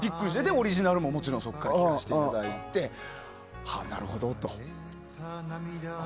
オリジナルももちろんそこから聴かせていただいて、なるほどと。